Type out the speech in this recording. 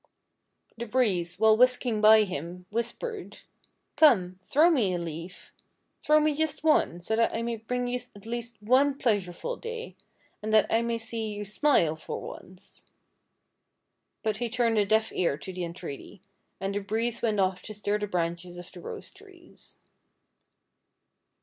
The breeze, while whisking by him, whispered :" Come, throw me a leaf. Throw me just one, so that I may bring you at least one pleasureful day, and that I may see you smile for once." But he turned a deaf ear to the entreaty, and the breeze went off to stir the branches of the rose trees.